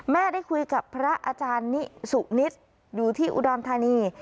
ได้คุยกับพระอาจารย์นิสุนิสอยู่ที่อุดรธานี